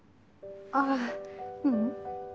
ああううん。